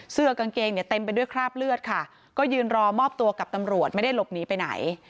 เสื้อกางเกงเนี่ยเต็มไปด้วยคราบเลือดค่ะก็ยืนรอมอบตัวกับตำรวจไม่ได้หลบหนีไปไหน